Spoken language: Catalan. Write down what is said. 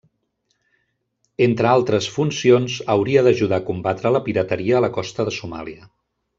Entre altres funcions, hauria d'ajudar a combatre la pirateria a la costa de Somàlia.